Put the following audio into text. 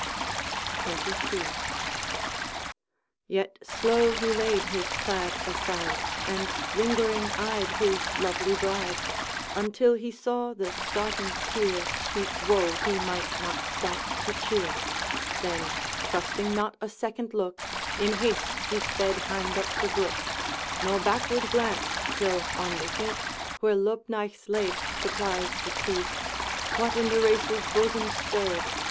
XXII. Yet slow he laid his plaid aside, And lingering eyed his lovely bride, Until he saw the starting tear Speak woe he might not stop to cheer: Then, trusting not a second look, In haste he sped hind up the brook, Nor backward glanced till on the heath Where Lubnaig's lake supplies the Teith, What in the racer's bosom stirred?